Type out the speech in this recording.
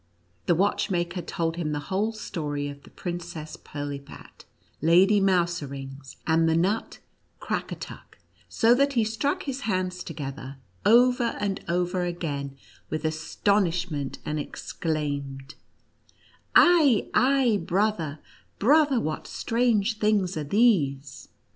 The watch maker told him the whole story of the Princess Pirlipat, Lady Mouserings, and the nut Crack atuck, so that he struck his hands together, over and over again with astonishment, and exclaimed : O 7 " Ei, ei, brother, brother, what strange things are these!"